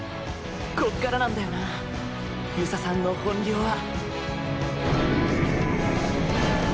こっからなんだよな遊佐さんの本領は。